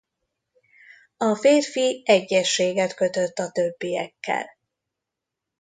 A férfi egyezséget kötött a többiekkel.